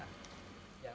perlengkapan ini sengaja